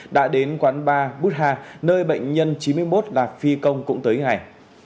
đã đến quán bar butha nơi bệnh nhân chín mươi một là phi công cũng tới ngày